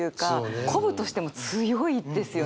鼓舞としても強いですよね。